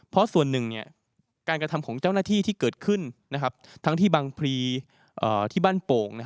เพราะส่วนหนึ่งการกระทำของเจ้าหน้าที่ที่เกิดขึ้นทั้งที่บางที่บ้านโป่ง